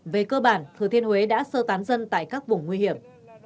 về cơ bản thừa thiên huế đã sơ tán dân tại các vùng nguy hiểm